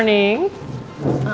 tunggu tunggu tunggu